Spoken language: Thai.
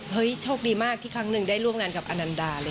โชคดีมากที่ครั้งหนึ่งได้ร่วมงานกับอนันดาเลย